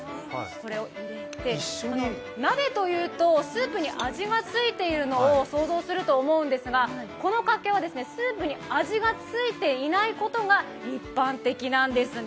これを入れて鍋というと、スープに味がついているのを想像すると思うんですが、このかっけはスープに味がついていないことが一般的なんですね。